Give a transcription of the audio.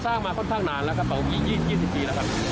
สร้างมาค่อนข้างนานแล้วครับครับอีก๒๐ปีแล้วครับ